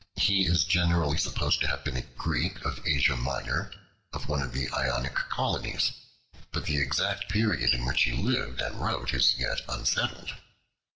He is generally supposed to have been a Greek of Asia Minor, of one of the Ionic Colonies, but the exact period in which he lived and wrote is yet unsettled.